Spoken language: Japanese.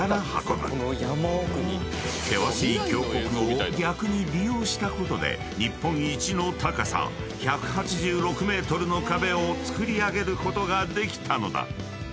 ［険しい峡谷を逆に利用したことで日本一の高さ１８６ｍの壁を造り上げることができたのだ］